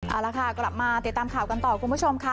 เอาละค่ะกลับมาติดตามข่าวกันต่อคุณผู้ชมค่ะ